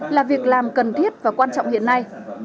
là việc làm cần thiết và quan trọng hiện nay